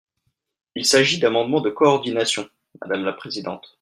Il s’agit d’amendements de coordination, madame la présidente.